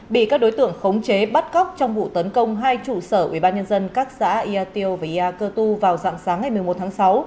bị các đối tượng khống chế bắt cóc trong vụ tấn công hai trụ sở ủy ban nhân dân các xã ia tiêu và ia cơ tu vào dạng sáng ngày một mươi một tháng sáu